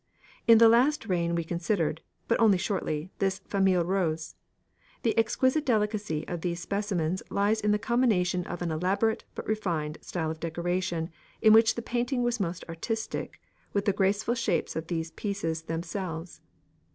In the last reign we considered, but only shortly, this "famille rose." The exquisite delicacy of these specimens lies in the combination of an elaborate, but refined, style of decoration in which the painting was most artistic, with the graceful shapes of the pieces themselves.